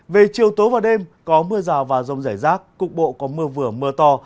về chiều tối và đêm có mưa rào và rông rải rác cục bộ có mưa vừa mưa to